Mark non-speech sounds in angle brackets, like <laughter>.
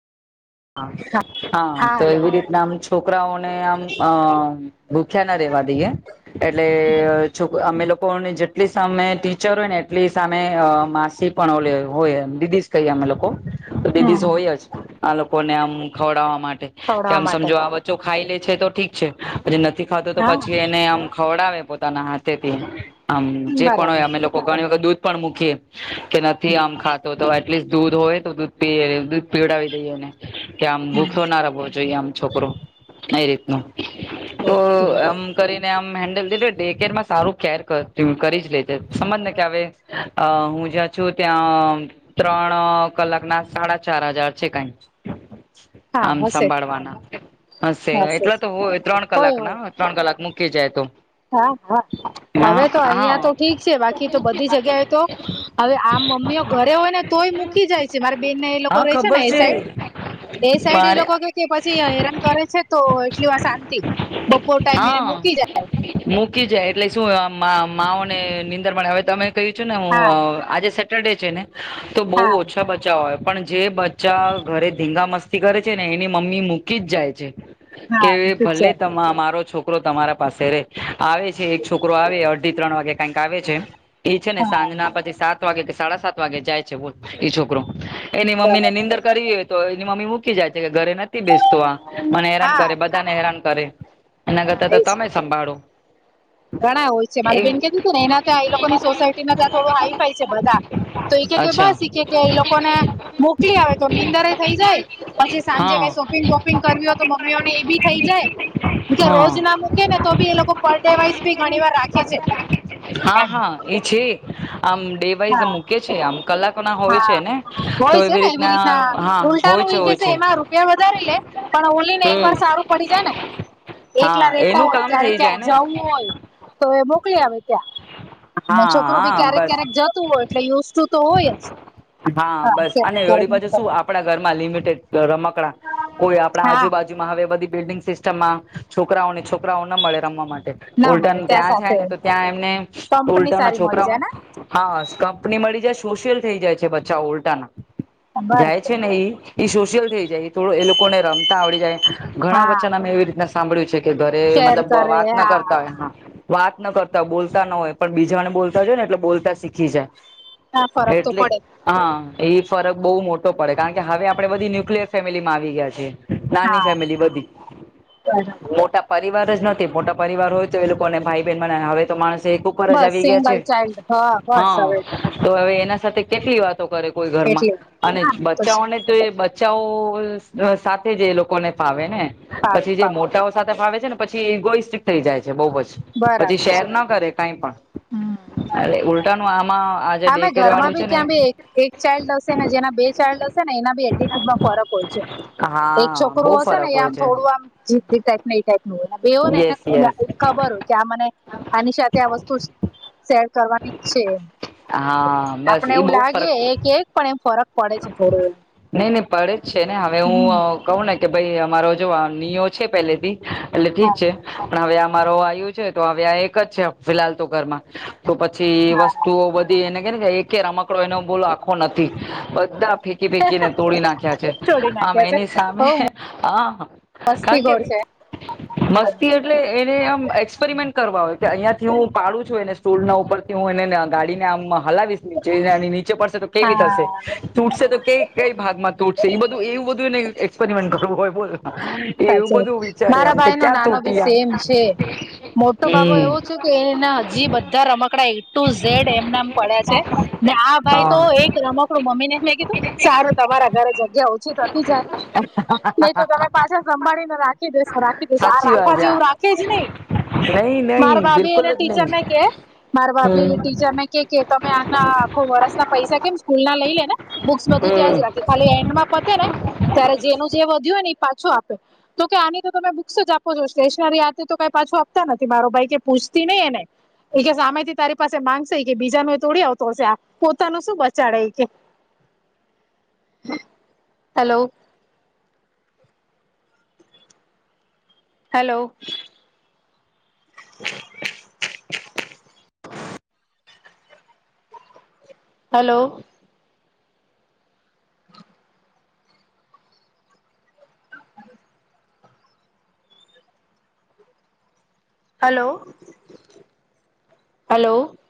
હા તો હલો એવી હલો રીતના આમ છોકરાઓને આમ અ ભૂખ્યા ના રે દઈએ એટલે અમે લોકોને જેટલી સામે ટીચર હોય ને એટલી સામે માસી પણ હોય સ કહી આ લોકો લેધસ હમ હોય જ આ લોકોને આમ ખવડાવવા માટે કે ખવડાવવા આમ માટે સમજો આ બચ્ચો ખાઈ લેજ છે તો ઠીક છે પછી નથી ખાતું તો પછી હા એને આમ ખવડાવે પોતાના હાથે થી આમ જે પણ હોય બરાબર અમે લોકો ઘણી વખત દૂધ પણ મૂકીએ કે નથી આમ ખાતો તો એટલી દૂધ હોય તો દૂધ પી દૂધ પીવડાવી દઈએને કે આમ હમ ભૂખો ના રબવો જોઈએ આમ છોકરો એ રીત ન તો ઓકે એમ કરીને આમ હેન્ડલ લીધું ડે કેરમાં સારું કેર કરી જ લેજે સમજને કે હવે હું જ્યાં છું ત્યાં ત્રણ કલાક ના સાડા ચાર હજાર છે કઈક હા આમ હશે સંભાળવાના હ હશે એટલા તો હોય ત્રણ કલાક હોય હોય ના ત્રણ કલાક મુક કે જાય તો હા હા હા હવે તો હા અહિયાં તો ઠીક છે બાકી તો બધી જગ્યાએ તો હવે આમ મમ્મીઓ ઘરે હોય ને તોય મૂકી જાય છે મારા બેન એ લોકો હા રે છે ને ખબર એ સાઈડ એ સાઈડ એ મારે લોકો કે કે પછી હેરાન કરે છે તો એટલી વા શાંતિ બપોર ટાઈમે હા મૂકી જાય મૂકી જાય એટલે શું માઓને નીંદર હવે તમે કહ્યું છું ને હું હા આજે સેડે છે ને તો બહુ હા ઓછા બચાવ હોય પણ જે બચ્ચા ઘરે ધીંગા મસ્તી કરે છે ને એની મમ્મી મૂકી જ જાય છે હા કે મૂકી ભલે મારો છોકરો તમારા પાસે રે આવે છે એક જાય છોકરો આવે થી ત્રણ વાગે કઈક આવે છે એ છે ને સાંજ હા ના પછી સાત વાગે સાડા સાત વાગે જાય છે બોલ એ છોકરો એની મમ્મી બરાબર નિંદર તો એની મમ્મી મૂકી જાય છે કે ઘરે નથી બેસતો આ મને હેરાન હા કરે બધા ને હેરાન કરે એના હા કરતા તો એજ તમે સંભાળો ઘણા હોય છે એ મારે બેન કધી તું ને એના ત્યાં એ લોકોની સોસાયટી ના ત્યાં થોડું હાઈ ફાઈ છે બધા તો ી કે અચ્છા બસ શીખે કે એ લોકોને મોકલી આવે તો નીંદરે થઇ જાય પછી સાંજે કઈ હા શોપિંગ બોપિંગ કરવી હો તો મમ્મીઓને એ બી થઇ જાય કે હા રોજ ના મૂકે ને તો ભી એ લોકો પરેવાય હા એમ હા એ છે આમ દે હા મૂકે છે આમ કલાકો ના હોય છે ને તો એવી રીતના હા ઉલટા ન હોય છે એ કે હોય એમાં રૂપિયા વધારી લે પણ ઓલી ને છે એક વાર સારું પડી જાય ને હા એકલા રહેેતા એનું હોય કામ ત્યારે થઈ જાય ક્યાંક ને જવું હોય તો એ મોકલી આવે ત્યાં હા અનેને છોકરોું બી હા ક્યારેક બસ ક્યારેક જતો ય તો હોય જ હા ક શ આપણા ઘરમાં લિમિટેડ રમકડા કોઈ આપણા હા આજુબાજુમાં હવે બધી બિલ્ડિંગ સિસ્ટમ માં છોકરાઓને છોકરાઓ ન મળે રમવા માટે ના મળે ઉલ્ટન ત્યાં સાથે જાય ને તો ત્યાં એમને કંપની ઉલ્ટન ના સારી મળી છોકરા જાય ને હા કંપની મળી જાય સોશિયલ થઈ જાય છે બચ્ા ઉલટા ના જાય બરાબર છે ને એ સોશિયલ થઈ જાય એ થોડું એ લોકોને રમતા આવડી જાય ઘણા હા વચ્ચાના મેં એવી રીતના સાંભળ્યું છે કે ઘરે શેર મતલબ કરે વાત ના કરતા હા હોય વાત ન કરતાય બોલતા ન હોય પણ બીજાવાને બોલતા હોય ને એટલે બોલતા શીખી જાય હા ફરક તો એટલે પડે હા એ ફરક બહુ મોટો પડે કારણ કે હવે આપડે બધી ન્યુક્લિયર ફેમિલી માં આવી ગયા છીએ નાની હા ફેમિલી બધી બરાબર મોટા પ પરિવાર જ નથી મોટા પરિવાર હોય તો એ લોકો અને ભાઈ બહેન બને હવે તો માણસ એક ઉપર જ બસ આવી ગયા છે સિંગલ ચાઇલ્ડ બસ હવે હા તો હવે. એ સાથે કેટલી વાતો કરે કોઈ ઘરમાં એટલે અને હા એ છે બચ્ચાઓને તો. બચ્ચાઓ સાથે જે લોકોને ફાવે ને ફાવે પછી જે ફાવે મોટાઓ સાથે ફાવે છે ને. પછી એ ગોઈ સસ્ટિક થઈ જાય છે. બ પછી બરાબર છે શેર ના કરે કઈ પણ ઉલટાનું આમાં. આજે ડે આમે કેર ઘર માં વાળું છે ભી ને ક્યાં ભી એક એક ચાઇલ્ડ હશે ને જેના. ડ હશે ને એના બી એટટ્યુડમાં ફરક હોય છે. એક હા છોકરું બહુ હશે ને ફરક હોય આમ છે થોડું આમ જી ટપ એ ટાઈપ ન હોય. બેવો ને એને યસ યસ ખબર હોય કે આ મને આની સાથે આ વસ્તુ. શેર કરવાની છે હા આપણે એવું લાગે એક એક પણ એમ. ફરક પડે છે થોડો એમ નઈ નહી પડે જ છે ને હવે હમ હું કહ ના. કે ભાઈ અમારો જો આ નિયો છે પેલે થી એટલે ઠીક છે હા પણ હવે આ. મારો આવું છે તો હવે આ એક જ છે ફિહાલ તો ઘરમાં. તો પછી એ હા વસ્તુઓ બધી એને કે કે એક રમકડો એનો બોલ આખો નથી. બધા ફેંકી ફેકીને તોડી નાખ્યા છે છોડી આમ નાખ્યા છે એની સામે હ. ગોડ છે. મસ્તી એટલે એને આમ એક્સપેરિમેન્ટ. કરવા આવે કે અહિયાં થી હું પાડું છું એને સ્ટૂલ ના ઉપરથી હું એને ગાડીને આમ. હલાવીશ નીચે અને નીચે પડશે તો કેવી થશે. હા તૂટશે તો ક કઈ ભાગ માં તૂટશે એ બધું એવું બધું એ એક્સપેરિમેન્ટ કરવું હોયો. એવું સાચે બધું મારા વિચાર્યા કે ભાઈ નો ક્યાં નાનો બી તૂટીયા. સેમ છે મોટો બાબો એવો છે કે એના હજી બધા રમકડા એ ટુ ઝેડ એમનામ પડ્યા છે. ને આ ભાઈ હા તો એક રમક. મમ્મી ને મેં કીધું સારું તમારા ઘરે જગ્યા ઓછીતી જાય નહી તો તમે પાછા. સંંબાળીને રાખી દેેશો રાખી દેસો આ સાચી રાખવા વાત આ જેવું રાખે જ નહી. નહી નહી મારા ભાભી એને બિલકુલ જ ટીચર નહી ને કે મારા હમ ભાભી ટીચર ને કે કે તમે આના. આખુ વરસ ના પૈસા કેમ સ્કૂલ ના લ. બુક્સ બધું ત્યાં હમ જ રાખે ખાલી એન્ડમાં પતે ને ત્યારે જેનું જે વધ્યું ને એ પાછું આપ. <inaudible> તો કે આની તો તમે બુક્સ જ આપો છો સ્ટેશનરીતે તો કઈ પાછું આપતા નથી મારો ભાઈ કે પૂછતી નહી એને. એ કે સામેથી તારી પાસે માંગશે કે બીજા ન એ તોડી આવતો હશે પોતાનું શું બચાડે કે. <inaudible> Hello. Hello. <inaudible> Hello. Hello hello.